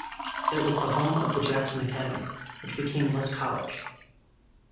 It was the home of the Jackson Academy, which became Lees College.